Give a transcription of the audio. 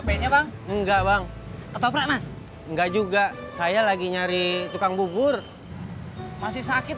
wp nya bang enggak bang atau pratmas enggak juga saya lagi nyari tukang bubur masih sakit